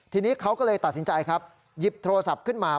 ทีนี้เขาก็เลยตัดสินใจครับหยิบโทรศัพท์ขึ้นมา